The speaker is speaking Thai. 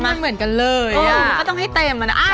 ก็มันเหมือนกันเลยอ่ะเออมันก็ต้องให้เต็มอ่ะนะ